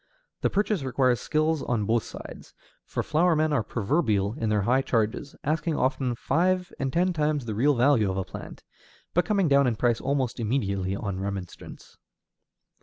The purchase requires skill on both sides, for flower men are proverbial in their high charges, asking often five and ten times the real value of a plant, but coming down in price almost immediately on remonstrance.